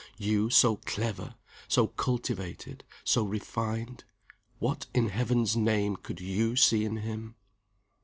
you so clever, so cultivated, so refined what, in Heaven's name, could you see in him?